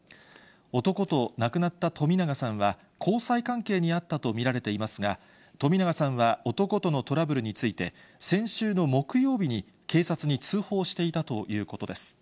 男と亡くなった冨永さんは交際関係にあったと見られていますが、冨永さんは男とのトラブルについて、先週の木曜日に、警察に通報していたということです。